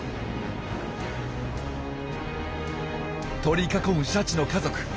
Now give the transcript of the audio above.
取り囲むシャチの家族。